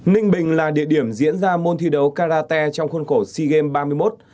ninh bình là địa điểm diễn ra môn thi đấu karate trong khuôn khổ sea games ba mươi một